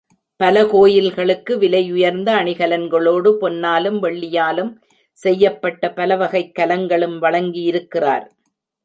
பல கோயில்களுக்கு விலை உயர்ந்த அணிகலன்களோடு பொன்னாலும் வெள்ளியாலும் செய்யப்பட்ட பலவகைக் கலங்களும் வழங்கியிருக்கிறார்.